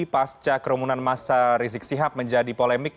pasca kerumunan masa rizik sihab menjadi polemik